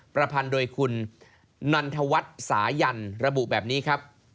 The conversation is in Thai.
ประพันธ์โดยคุณนันทวัฒน์สายันระบุแบบนี้ครับ